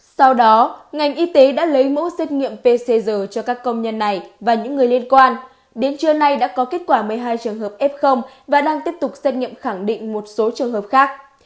sau đó ngành y tế đã lấy mẫu xét nghiệm pcr cho các công nhân này và những người liên quan đến trưa nay đã có kết quả một mươi hai trường hợp f và đang tiếp tục xét nghiệm khẳng định một số trường hợp khác